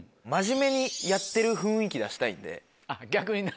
逆にな。